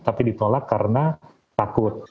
tapi ditolak karena takut